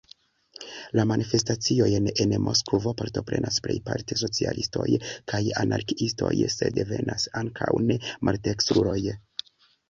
La manifestaciojn en Moskvo partoprenas plejparte socialistoj kaj anarkiistoj, sed venas ankaŭ ne-maldekstruloj.